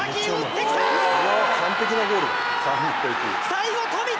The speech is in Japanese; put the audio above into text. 最後富田！